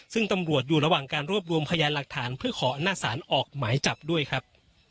ซึ่งตำรวจอยู่ระหว่างการรวบรวมพยานหลักฐานเพื่อขออำนาจศาลออกหมายจับด้วยครับ